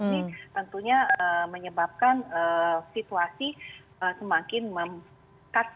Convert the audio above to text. ini tentunya menyebabkan situasi semakin memkasan